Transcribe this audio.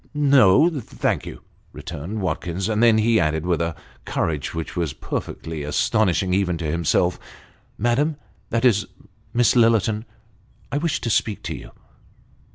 " No, thank you," returned Watkins ; and then he added, with a courage which was perfectly astonishing, even to himself, "Madam, that is Miss Lillerton, I wish to speak to you."